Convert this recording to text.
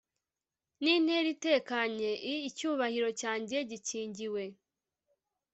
Nintera itekanye I icyubahiro cyanjye gikingiwe